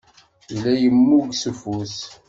Yella yemmug s ufus.